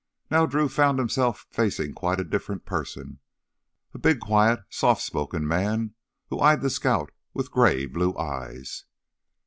Now Drew found himself facing quite a different person a big, quiet, soft spoken man who eyed the scout with gray blue eyes.